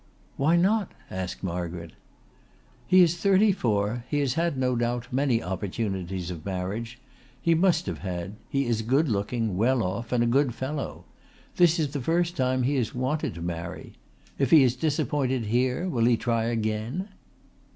"Why not?" asked Margaret. "He is thirty four. He has had, no doubt, many opportunities of marriage. He must have had. He is good looking, well off and a good fellow. This is the first time he has wanted to marry. If he is disappointed here will he try again?"